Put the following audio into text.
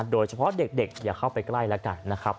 โดยเฉพาะเด็กอย่าเข้าไปใกล้แล้วกันนะครับ